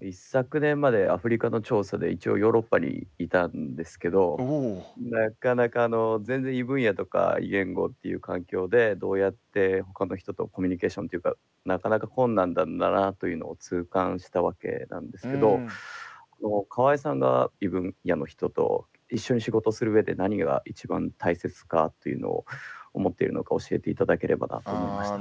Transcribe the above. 一昨年までアフリカの調査で一応ヨーロッパにいたんですけどなかなか全然異分野とか異言語という環境でどうやってほかの人とコミュニケーションっていうかなかなか困難なんだなというのを痛感したわけなんですけど河江さんが異分野の人と一緒に仕事する上で何が一番大切かというのを思っているのか教えて頂ければなと思いました。